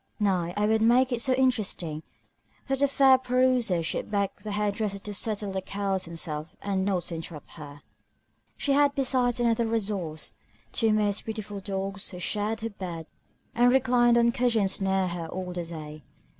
Nay, I would make it so interesting, that the fair peruser should beg the hair dresser to settle the curls himself, and not interrupt her. She had besides another resource, two most beautiful dogs, who shared her bed, and reclined on cushions near her all the day.